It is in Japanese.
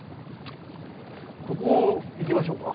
ここ行きましょうか。